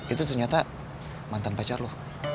itu ternyata mantan pacar loh